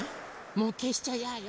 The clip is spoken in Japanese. もうけしちゃやよ。